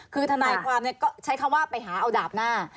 คือทนายความก็ใช้คำว่าไปหาเอาดาบหน้า